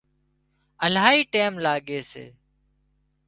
الاهي ٽيم لاڳي سي